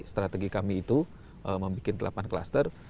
strategi kami itu membuat delapan klaster